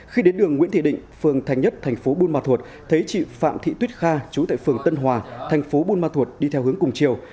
khi đến đường nguyễn thị định phường thành nhất thành phố buôn ma thuột thấy chị phạm thị tuyết kha chú tại phường tân hòa thành phố buôn ma thuột đi theo hướng cùng chiều